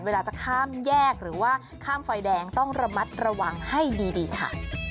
เวลาจะข้ามแยกหรือว่าข้ามไฟแดงต้องระมัดระวังให้ดีค่ะ